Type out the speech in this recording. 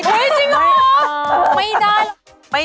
จริงชุดนี้ได้เลย